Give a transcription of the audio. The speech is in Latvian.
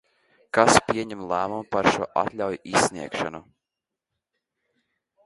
Kas pieņem lēmumu par šo atļauju izsniegšanu?